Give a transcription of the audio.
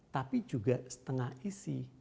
tapi juga setengah isi